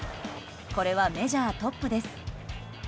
これはメジャートップです。